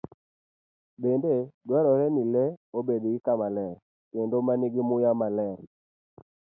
Bende dwarore ni le obed gi kama ler kendo ma nigi muya maler.